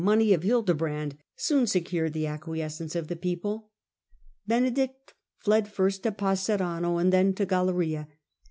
^^® money of Hildebrand, soon secured the pope, 1069 acquiescence of the people. Benedict fled first to Passerano, and then to Galeria.